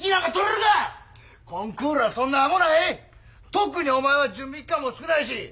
特にお前は準備期間も少ないし。